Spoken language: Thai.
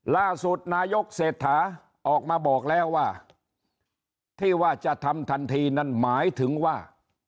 ล่าสุดนายกเศรษฐาออกมาบอกแล้วว่าที่ว่าจะทำทันทีนั่นหมายถึงว่า